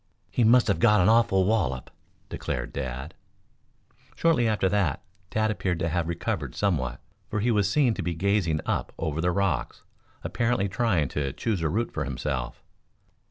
"He must have got an awful wallop," declared Dad. Shortly after that Tad appeared to have recovered somewhat, for he was seen to be gazing up over the rocks, apparently trying to choose a route for himself.